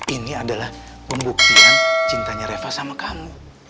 ini adalah pembuktian cintanya reva sama kamu